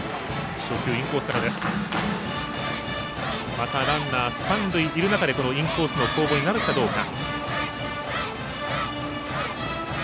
またランナー、三塁いる中でインコースの攻防になるかどうか。